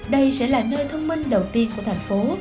đây sẽ là nơi thông minh đầu tiên của thành phố